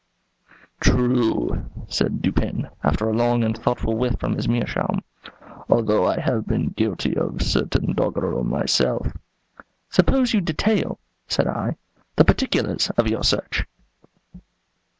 "True," said Dupin, after a long and thoughtful whiff from his meerschaum, "although I have been guilty of certain doggerel myself." "Suppose you detail," said I, "the particulars of your search."